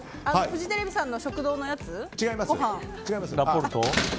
フジテレビさんの食堂のやつ？